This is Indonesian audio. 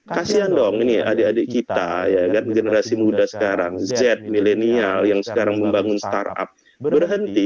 kasian dong ini adik adik kita generasi muda sekarang z milenial yang sekarang membangun startup berhenti